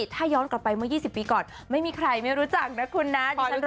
ถ้าย้อนกลับไปเมื่อ๒๐ปีก่อนไม่มีใครไม่รู้จักนะคุณนะ